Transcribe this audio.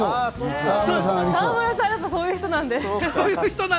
沢村さんってそういう人なので。